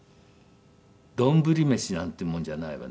丼飯なんてもんじゃないわねあれ。